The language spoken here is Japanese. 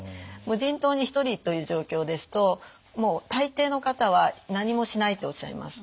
無人島に１人という状況ですともう大抵の方は何もしないとおっしゃいます。